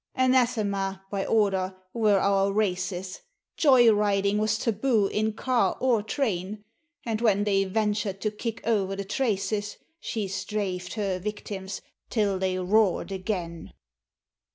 Anathema (by order) were our races; Joy riding was taboo in car or train; And when they ventured to kick o'er the traces She strafed her victims till they roared again.